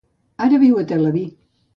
Ara viu a Tel Aviv.